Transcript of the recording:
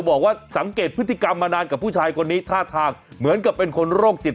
บอกว่าสังเกตพฤติกรรมมานานกับผู้ชายคนนี้ท่าทางเหมือนกับเป็นคนโรคจิต